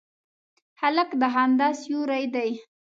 هلک د خندا سیوری دی.